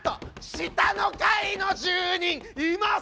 下の階の住人いません！